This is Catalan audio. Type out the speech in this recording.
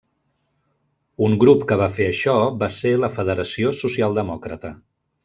Un grup que va fer això va ser la Federació Socialdemòcrata.